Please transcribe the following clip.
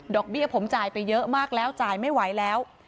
เบี้ยผมจ่ายไปเยอะมากแล้วจ่ายไม่ไหวแล้ว